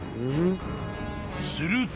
［すると］